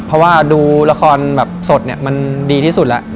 เพราะว่าดูละครสดมันดีที่สุดแล้ว